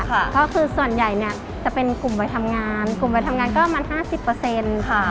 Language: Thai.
ก็คือส่วนใหญ่เนี่ยจะเป็นกลุ่มวัยทำงานกลุ่มวัยทำงานก็ประมาณ๕๐ค่ะ